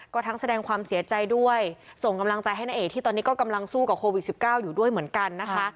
ก็ทั้งแสดงความเสียใจด้วยส่งกำลังใจให้ณเอกที่ตอนนี้ก็กำลังสู้กับโควิด๑๙อยู่ด้วยเหมือนกันนะคะ